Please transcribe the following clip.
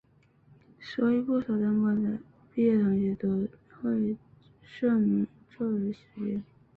所以不少真光的毕业同学都会社名作为识别。